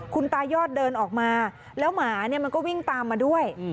คุณตายอดเดินออกมาแล้วหมาเนี่ยมันก็วิ่งตามมาด้วย